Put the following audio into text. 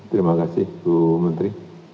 terima kasih bu menteri